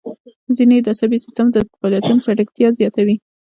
ځینې یې د عصبي سیستم د فعالیتونو چټکتیا زیاتوي.